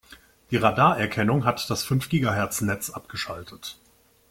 Die Radarerkennung hat das fünf Gigahertz-Netz abgeschaltet.